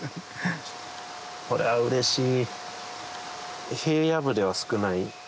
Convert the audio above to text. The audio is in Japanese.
これはうれしい。